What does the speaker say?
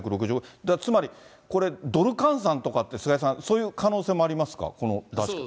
つまり、これドル換算とか、菅井さん、そういう可能性もありますか？